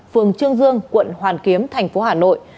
phường trương dương quận hoàn kiếm thành phố hà nội